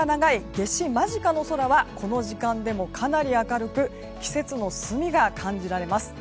夏至間近の空はこの時間でもかなり明るく季節の進みが感じられます。